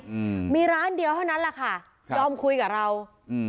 อืมมีร้านเดียวเท่านั้นแหละค่ะยอมคุยกับเราอืม